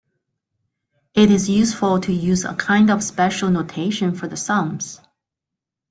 It is useful to use a kind of special notation for the sums.